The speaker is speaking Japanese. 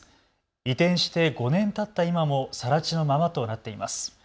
移転して５年たった今もさら地のままとなっています。